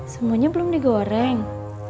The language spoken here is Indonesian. semuanya belum digoreng